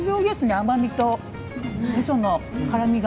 甘みとみその辛みが。